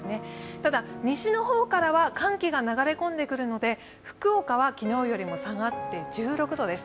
ただ、西の方からは寒気が流れ込んでくるので福岡は昨日よりも下がって１６度です。